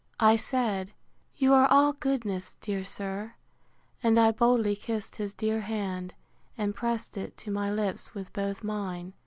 I said, You are all goodness, dear sir; and I boldly kissed his dear hand, and pressed it to my lips with both mine.